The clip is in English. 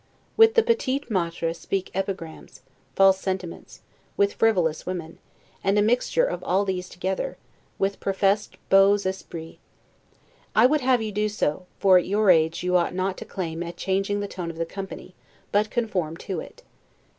With the 'petits maitres' speak epigrams; false sentiments, with frivolous women; and a mixture of all these together, with professed beaux esprits. I would have you do so; for at your age you ought not to aim at changing the tone of the company, but conform to it.